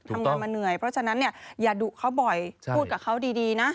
ทำงานมาเหนื่อยเพราะฉะนั้นเนี่ยอย่าดุเขาบ่อยพูดกับเขาดีนะ